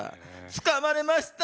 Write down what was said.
つかまれました！